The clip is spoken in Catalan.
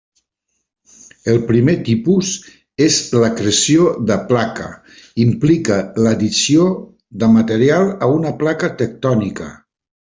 El primer tipus és l'acreció de placa, implica l'addició de material a una placa tectònica.